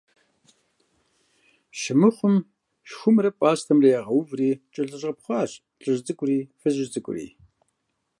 Щымыхъум – шхумрэ пӀастэмрэ ягъэуври кӀэлъыщӀэпхъуащ лӀыжь цӀыкӀури фызыжь цӀыкӀури.